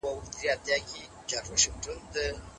موږ د دې کلي یو مهم غړی یو.